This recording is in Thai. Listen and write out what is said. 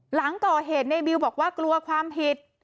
หลังก่อเหตุในบิวบอกว่ากลัวความผิด